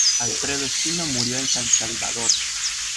Alfredo Espino murió en San Salvador.